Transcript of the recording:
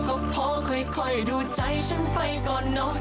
ก็พอค่อยดูใจฉันไปก่อนเนอะ